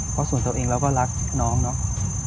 เพราะส่วนตัวเองเราก็รักน้องเนาะ